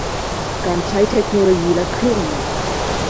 การใช้เทคโนโลยีและเครื่องมือ